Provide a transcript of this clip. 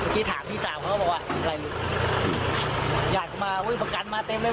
ทิศโกนแตกไงบ้างลงกันแหละ